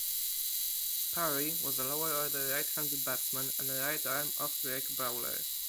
Parry was a lower-order right-handed batsman and a right-arm off-break bowler.